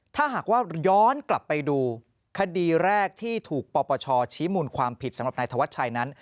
ถ้าหากว่าย้อนกลับไปดูคดีแรกที่ถูกปปชชี้มูลความผิดสำหรับนายธวัชชัยนั้น